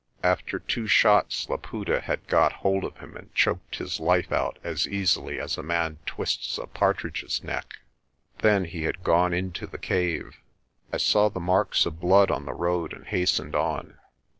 After two shots Laputa had got hold of him and choked his life out as easily as a man twists a partridge's neck. Then he had gone into the cave. I saw the marks of blood on the road and hastened on.